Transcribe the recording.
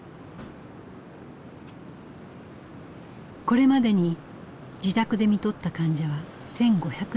これまでに自宅で看取った患者は１，５００人余り。